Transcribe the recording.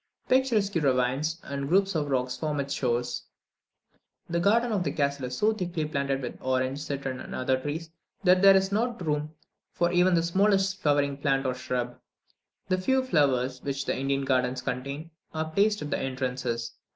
Picturesque ravines and groups of rock form its shores. The garden of the castle is so thickly planted with orange, citron, and other trees, that there is not room for even the smallest flowering plant or shrub. The few flowers which the Indian gardens contain, are placed at the entrances.